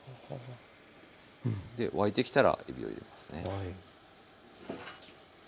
で沸いてきたらえびを入れますね。